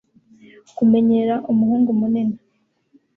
Kumenyera umuhungu munini